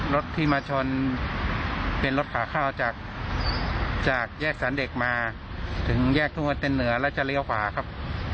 รถที่มาชนเป็นรถขาเข้าจากแยกสารเด็กมาถึงแยกทุ่งวันเต้นเหนือแล้วจะเลี้ยวขวาครับ